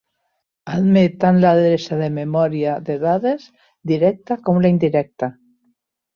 Admet tant l'adreça de memòria de dades directa com la indirecta.